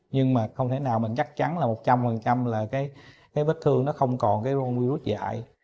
nhưng mà không thể nào mình chắc chắn là một trăm linh là cái vết thương nó không còn cái con virus dại